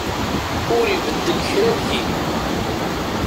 Ur ibeddel kra deg-i.